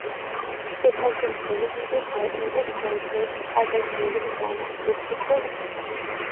It has been designated by English Heritage as a Grade One listed building.